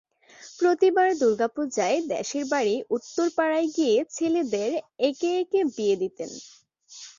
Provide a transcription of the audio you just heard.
প্রতিবার দুর্গাপুজায় দেশের বাড়ি উত্তরপাড়ায় গিয়ে ছেলেদের একে একে বিয়ে দিতেন।